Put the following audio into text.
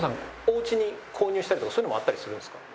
おうちに購入したりとかそういうのもあったりするんですか？